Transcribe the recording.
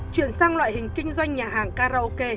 chuyển sang loại hình kinh doanh nhà hàng karaoke